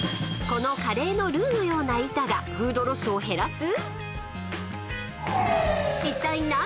［このカレーのルーのような板がフードロスを減らす？］